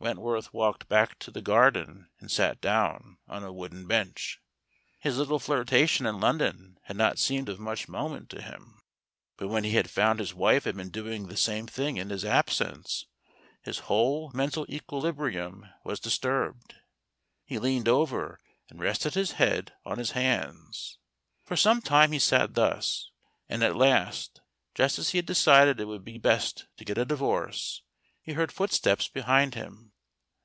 Wentworth walked back to the garden and sat down on a wooden bench. His little flirtation in London had not seemed of much moment to him; but when he found his wife had been doing the same thing in his absence, his whole mental equilibrium was disturbed. He leaned over and rested his head on his hands. For some time he sat thus, and at last, just as he had decided it would be best to get a divorce, he heard footsteps behind him.